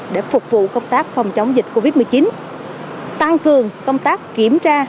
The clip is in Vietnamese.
để phục vụ công tác phòng chống dịch covid một mươi chín tăng cường công tác kiểm tra